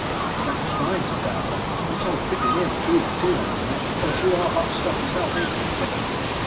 '" "That was fine," said Diavolo. "You told pretty near the truth, too, Uncle Munch, because you are hot stuff yourself, ain't you?"